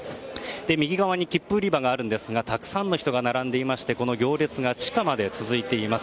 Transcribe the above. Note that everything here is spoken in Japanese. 右側に切符売り場があるんですがたくさんの人が並んでいましてこの行列が地下まで続いています。